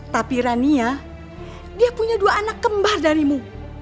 tapi rania dia punya dua anak kembar darimu